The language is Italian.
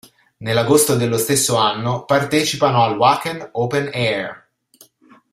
Nell'agosto dello stesso anno partecipano al Wacken Open Air.